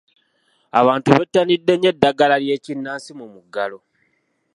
Abantu bettaniddde nnyo eddagala ly’ekinnansi mu muggalo.